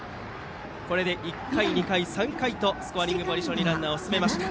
これで１回、２回、３回とスコアリングポジションにランナーを進めました。